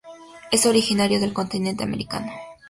Es originario del continente americano.